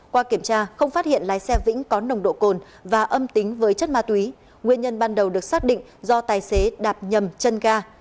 qua kiểm tra không phát hiện lái xe vĩnh có nồng độ cồn và âm tính với chất ma túy nguyên nhân ban đầu được xác định do tài xế đạp nhầm chân ga